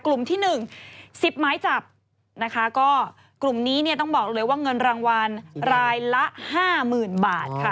กลุ่มที่หนึ่งสิบไม้จับนะคะก็กลุ่มนี้เนี่ยต้องบอกเลยว่าเงินรางวัลรายละห้าหมื่นบาทค่ะ